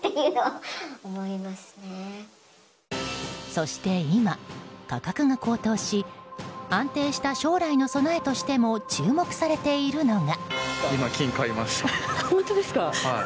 そして今、価格が高騰し安定した将来の備えとしても注目されているのが。